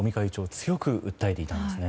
強く訴えていたんですね。